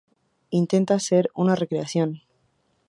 Intenta ser una recreación.